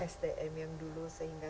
sdn yang dulu sehingga